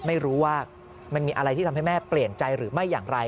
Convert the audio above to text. ไม่รู้ว่ามันมีอะไรที่ทำให้แม่เปลี่ยนใจหรือไม่อย่างไร